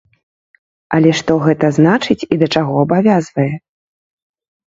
Але што гэта значыць і да чаго абавязвае?